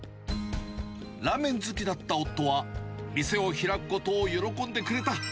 ラーメン好きだった夫は、店を開くことを喜んでくれた。